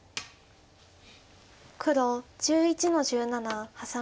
黒１１の十七ハサミ。